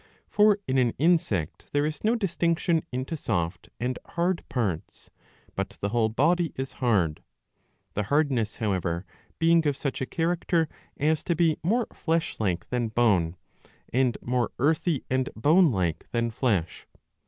For in an insect there is no distinction into soft and hard parts, but the whole body is hard, the hardness however being of such a character as to be more flesh like than bone, and more earthy and bone like than flesh.